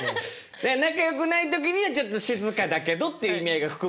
仲よくない時にはちょっと静かだけどっていう意味合いが含まれるってことだよね。